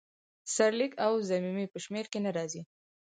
سرلیک او ضمیمې په شمیر کې نه راځي.